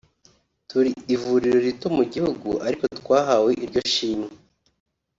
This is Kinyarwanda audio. turi ivuriro rito mu gihugu ariko twahawe iryo shimwe